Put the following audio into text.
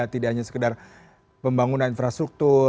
tidak hanya sekedar pembangunan infrastruktur